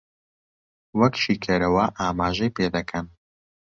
وەک شیکەرەوە ئاماژەی پێ دەکەن